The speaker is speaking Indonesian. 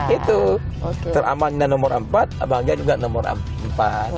itu teraman dan nomor empat abangnya juga nomor empat